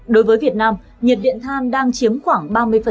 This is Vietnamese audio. đối với việt nam nhiệt điện than đang chiếm khoảng ba mươi